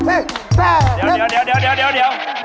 เป็นไง